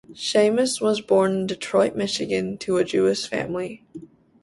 Schamus was born in Detroit, Michigan, to a Jewish family.